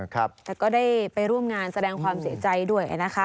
แต่ก็ได้ไปร่วมงานแสดงความเสียใจด้วยนะคะ